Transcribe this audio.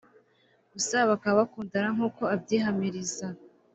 gusa bakaba bakundana nk'uko abyihamiriza